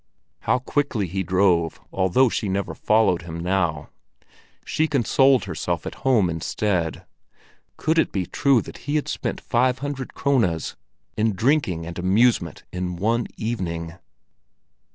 How quickly he drove, although she never followed him now. She consoled herself at home instead! Could it be true that he had spent five hundred krones in drinking and amusement in one evening?